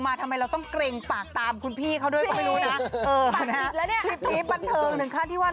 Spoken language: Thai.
อยากหลับแล้วไม่ตื่นว่าเฮ้ยอยากหลับแล้วไม่ตื่นว่า